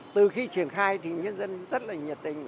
từ khi triển khai thì nhân dân rất là nhiệt tình